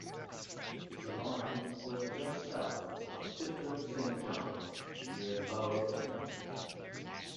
The line split just south of Tipton Saint John, near the Bowd Inn.